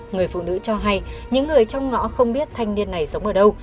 người phụ nữ cho hay những người trong ngõ không biết thanh niên này sống ở đâu